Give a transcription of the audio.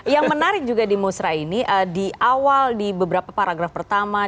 yang menarik juga di musra ini di awal di beberapa paragraf pertama